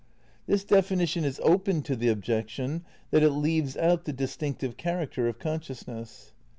This definition is open to the objection that it leaves out the distinctive character of consciousness.